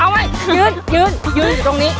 ไว้ยืนยืนอยู่ตรงนี้